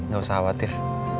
gak usah khawatir